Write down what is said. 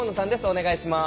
お願いします。